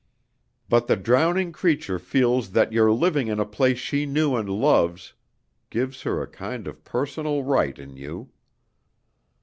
But the drowning creature feels that your living in a place she knew and loved gives her a kind of personal right in you.